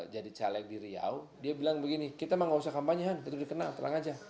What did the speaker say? caleg di riau dia bilang begini kita mah gak usah kampanye betul dikenal terang aja